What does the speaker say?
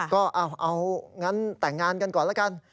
ก็เอางั้นแต่งงานกันก่อนแล้วกัน